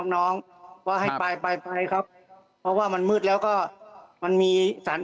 น้องว่าให้ไปไปครับเพราะว่ามันมืดแล้วก็มันมีสาร